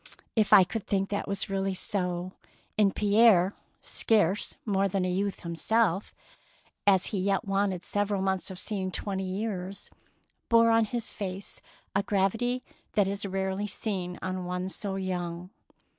" If I could think that this was really so"; and Pierre, scarce more than a youth himself, as he yet wanted several months of seeing twenty years, bore on his face a gravity that is rarely seen on 133 DEEDS OF DABING one so young.